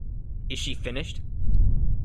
Is she finished?